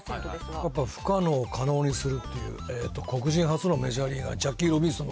やっぱ不可能を可能にするっていう、黒人初のメジャーリーガー、ジャッキー・ロビンソン。